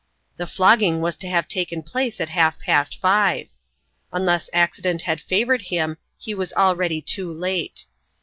The flogging was to have taken place at half past five. Unless accident had favoured him he was already too late.